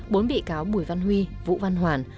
bốn bị cáo bùi văn huy vũ văn hoàn